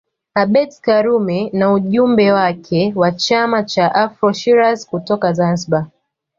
Abeid Karume na ujumbe wake wa chama cha Afro Shirazi kutoka Zanzibar